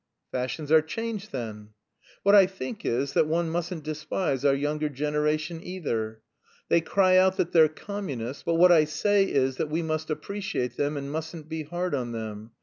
"Fashions are changed then?" "What I think is that one mustn't despise our younger generation either. They cry out that they're communists, but what I say is that we must appreciate them and mustn't be hard on them.